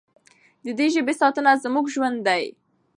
د دې ژبې ساتنه زموږ ژوند دی.